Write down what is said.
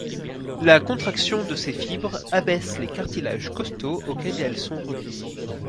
La contraction de ses fibres abaisse les cartilages costaux auxquels elles sont reliées.